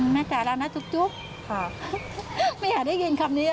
แม่จ่ายแล้วนะจุ๊บไม่อยากได้ยินคำนี้อ่ะ